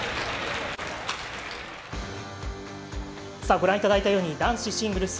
ご覧いただいたように男子シングルス